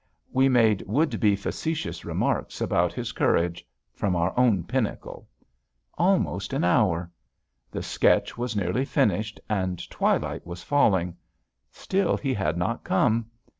We made would be facetious remarks about his courage from our own pinnacle. Almost an hour! The sketch was nearly finished, and twilight was falling. Still he had not come.